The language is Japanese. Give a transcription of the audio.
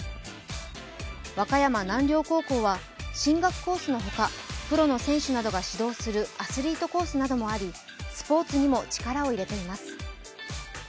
和歌山南陵高校は進学コースのほか、プロの選手などが指導するアスリートコースなどもありスポーツにも力を入れています。